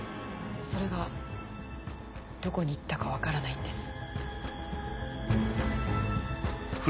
それがどこに行ったか分からないんです。